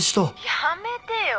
やめてよ。